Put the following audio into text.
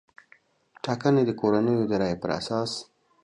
ټاګنې د کورنیو د رایې پر اساس